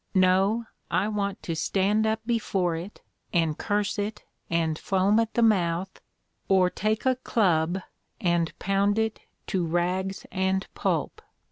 No, I want to stand up before it and curse it and foam at the mouth, or take a club and pound it to rags and pulp.